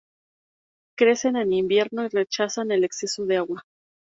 Crecen en invierno y rechazan el exceso de agua.